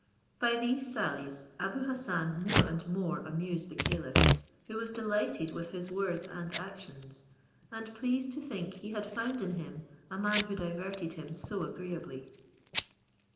By these sallies Abou Hassan more and more amused the caliph, who was delighted with his words and actions, and pleased to think he had found in him a man who diverted him so agreeably.